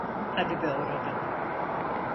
Hadi be oradan!